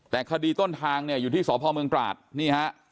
แต่คดีต้นทางเนี่ยอยู่ที่สพเมืองตราดนี่ฮะ